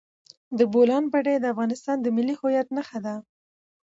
د بولان پټي د افغانستان د ملي هویت نښه ده.